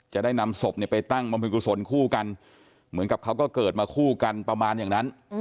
จะได้นำศพไปตั้งบำเพ็กกุศลคู่กันเหมือนกับเขาก็เกิดมาคู่กันประมาณอย่างนั้น